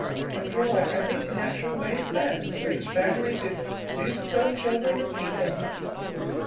After all, I think the natural way is best for each family to produce its own children, and keep them.